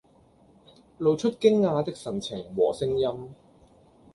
露出驚訝的神情和聲音